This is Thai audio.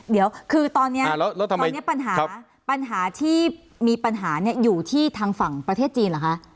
เดี๋ยวคือตอนนี้ปัญหาปัญหาที่มีปัญหาอยู่ที่ทางฝั่งประเทศจีนเหรอคะ